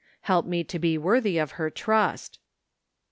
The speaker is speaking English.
Help me to be worthy of her trust